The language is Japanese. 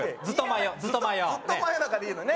「ずっと真夜中でいいのに。」ね